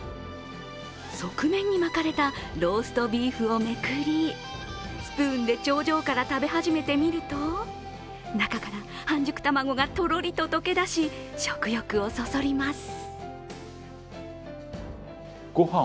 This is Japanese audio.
側面に巻かれたローストビーフをめくりスプーンで頂上から食べ始めてみると、中から半熟卵がとろりと溶けだし食欲をそそります。